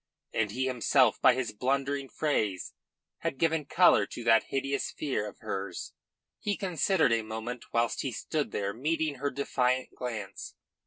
And he himself by his blundering phrase had given colour to that hideous fear of hers. He considered a moment whilst he stood there meeting her defiant glance.